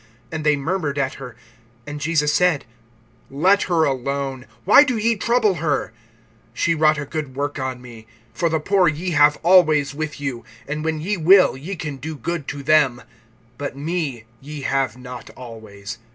And they murmured at her. (6)And Jesus said: Let her alone; why do ye trouble her? She wrought a good work on me. (7)For the poor ye have always with you, and when ye will ye can do good to them; but me ye have not always.